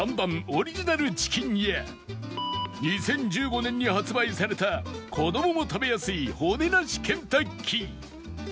オリジナルチキンや２０１５年に発売された子どもも食べやすい骨なしケンタッキー